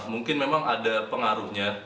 mungkin memang ada pengaruhnya